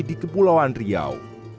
di kepulauan riau